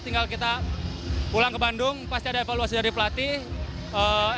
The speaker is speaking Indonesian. tinggal kita pulang ke bandung pasti ada evaluasi dari pelatih